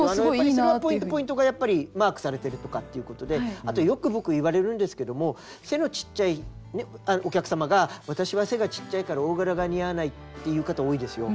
それはポイントポイントがやっぱりマークされてるとかっていうことでよく僕いわれるんですけども背のちっちゃいお客様が私は背がちっちゃいから大柄が似合わないっていう方多いですよ。